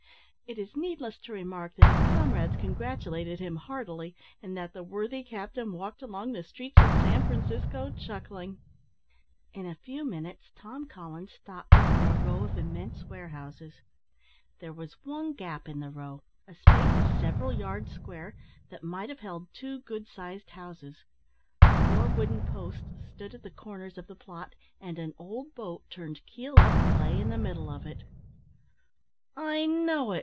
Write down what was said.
It is needless to remark, that his comrades congratulated him heartily, and that the worthy captain walked along the streets of San Francisco chuckling. In a few minutes, Tom Collins stopped before a row of immense warehouses. There was one gap in the row, a space of several yards square, that might have held two good sized houses. Four wooden posts stood at the corners of the plot, and an old boat, turned keel up, lay in the middle of it. "I know it!"